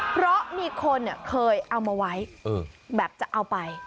เพราะมีคนเคยเอามาไว้แบบจะเอาไป